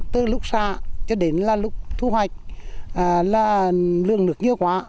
từ lúc xả cho đến là lúc thu hoạch là lương nước nhiều quá